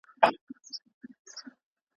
که ميرمن ښوونکې وه عائد ئې د ميرمني حق دی.